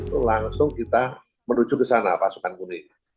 itu langsung kita menuju ke sana pasukan kuning